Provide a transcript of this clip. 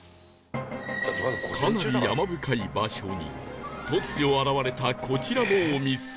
かなり山深い場所に突如現れたこちらのお店